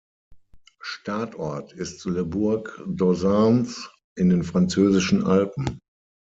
Startort ist Le Bourg-d’Oisans in den französischen Alpen.